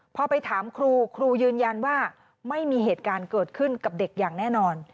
พอไปถามครูครูยืนยันว่าไม่มีเหตุการณ์เกิดขึ้นกับเด็กอย่างแน่นอน